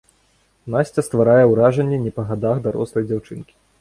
Насця стварае ўражанне не па гадах дарослай дзяўчынкі.